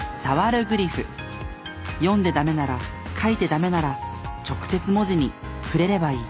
読んでダメなら書いてダメなら直接文字に触れればいい。